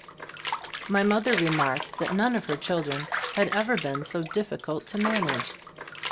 My mother remarked that none of her children had ever been so difficult to manage.